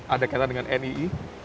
ada kata dengan nii